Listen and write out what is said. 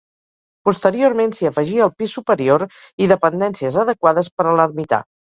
Posteriorment s'hi afegí el pis superior i dependències adequades per a l'ermità.